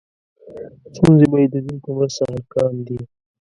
ستونزې به یې د دین په مرسته حل کاندې.